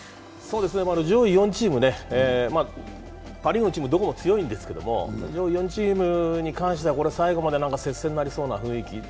上位４チーム、パ・リーグのチームどこも強いんですけども上位の４チームに関しては最後まで接戦になりそうな雰囲気。